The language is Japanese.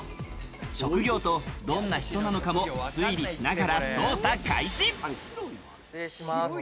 職業と、どんな人なのかも推理しながら捜査開始。